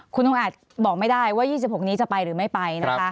คุณลุงอาจบอกไม่ได้ว่า๒๖นี้จะไปหรือไม่ไปนะคะ